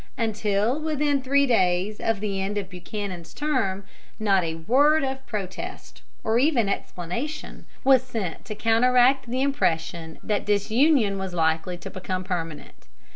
Until within three days of the end of Buchanan's term not a word of protest or even explanation was sent to counteract the impression that disunion was likely to become permanent.